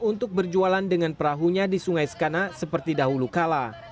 untuk berjualan dengan perahunya di sungai sekanak seperti dahulu kala